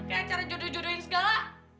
ngapain sih pakai cara jodoh jodohin segala